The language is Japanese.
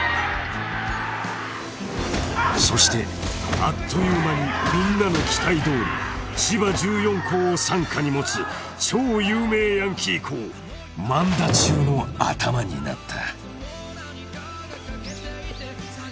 ［そしてあっという間にみんなの期待どおり千葉１４校を傘下に持つ超有名ヤンキー校萬田中のアタマになった］